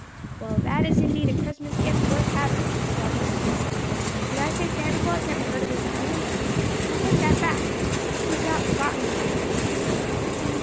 "Well, that is indeed a Christmas gift worth having," said Robert. "Did I say Santa Claus never heard of this island? I take that back; he has not forgotten us."